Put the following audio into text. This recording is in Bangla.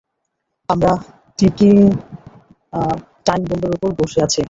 আমরা টিকিং টাইম বোম্বের উপর বসে আছি।